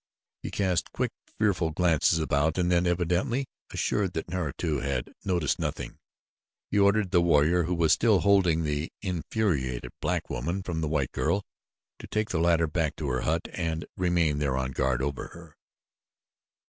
He cast quick, fearful glances about, and then, evidently assured that Naratu had noticed nothing, he ordered the warrior who was still holding the infuriated black woman from the white girl to take the latter back to her hut and to remain there on guard over her.